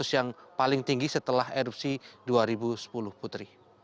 yang paling tinggi setelah erupsi dua ribu sepuluh putri